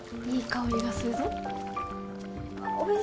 いい香りがするぞうわ